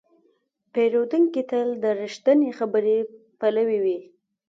پیرودونکی تل د رښتینې خبرې پلوی وي.